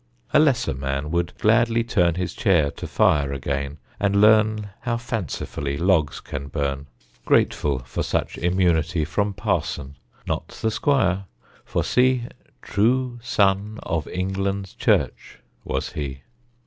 (A lesser man would gladly turn His chair to fire again, and learn How fancifully logs can burn, Grateful for such immunity From parson. Not the squire; for see, "True sonne of England's Church" was he.)